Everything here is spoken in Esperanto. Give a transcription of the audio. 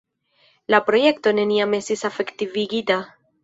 La projekto neniam estis efektivigita.